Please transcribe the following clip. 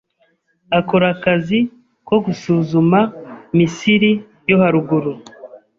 akora akazi ko gusuzuma Misiri yo haruguru